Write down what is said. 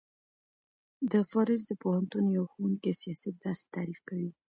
ج : د پاریس د پوهنتون یوه ښوونکی سیاست داسی تعریف کوی